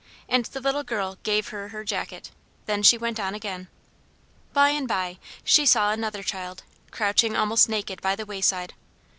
And the little girl gave her her jacket. Then she went on again. By and by she saw another child, crouching almost naked by the wayside.